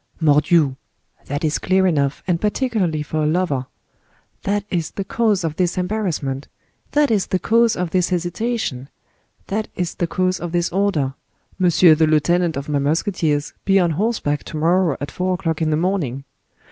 Mordioux! that is clear enough, and particularly for a lover. That is the cause of this embarrassment; that is the cause of this hesitation; that is the cause of this order—'Monsieur the lieutenant of my musketeers, be on horseback to morrow at four o'clock in the morning.